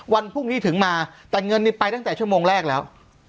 วันพรุ่งนี้ถึงมาแต่เงินนี้ไปตั้งแต่ชั่วโมงแรกแล้ว